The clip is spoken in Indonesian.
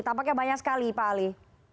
tampaknya banyak sekali pak ali